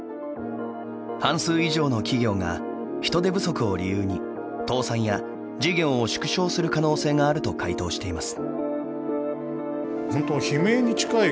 半数以上の企業が人手不足を理由に倒産や事業を縮小する可能性があると回答しています。